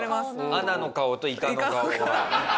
アナの顔といかの顔は。